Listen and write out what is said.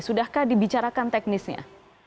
sudahkah dibicarakan teknisnya